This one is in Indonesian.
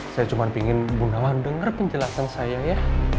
saya cuma pingin bunda wang dengar penjelasan saya ya